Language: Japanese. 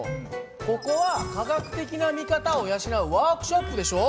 ここは科学的な見方を養うワークショップでしょ。